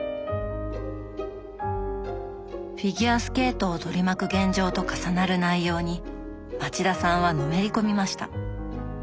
フィギュアスケートを取り巻く現状と重なる内容に町田さんはのめり込みました。